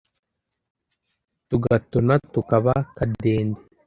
tugatona tukaba kadende